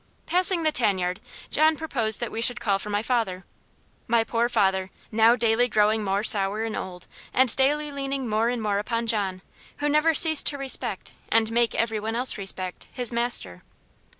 Passing the tan yard John proposed that we should call for my father. My poor father; now daily growing more sour and old, and daily leaning more and more upon John, who never ceased to respect, and make every one else respect, his master.